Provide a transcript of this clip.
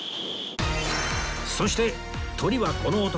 そしてトリはこの男